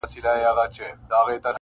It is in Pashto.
• مگر سر ستړی په سودا مات کړي..